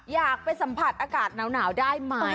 อยากไปสัมผัสอากาศหนาวได้ไหม